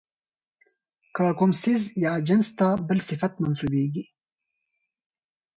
که کوم څيز ىا جنس ته بل صفت منسوبېږي،